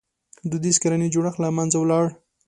• دودیز کرنیز جوړښت له منځه ولاړ.